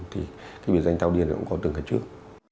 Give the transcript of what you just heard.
thì biệt danh thao điên cũng có từng cái trước